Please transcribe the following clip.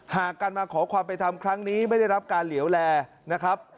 หากการมาขอความไปทำครั้งนี้ไม่ได้รับการเหลี่ยวแร่นะครับ